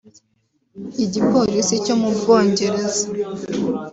Igipolisi cyo mu Bwongereza